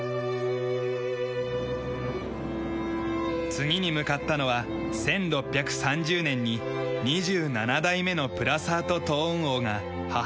次に向かったのは１６３０年に２７代目のプラサート・トーン王が母親に捧げた寺院。